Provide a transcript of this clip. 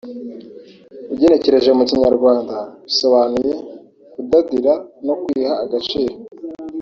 ugenekereje mu kinyarwanda bisobanuye “Kudadira no kwiha agaciro”